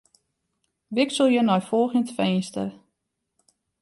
Wikselje nei folgjend finster.